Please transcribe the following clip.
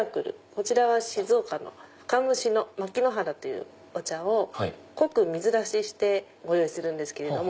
こちらは静岡の深蒸しの牧之原というお茶を濃く水出ししてご用意するんですけれども。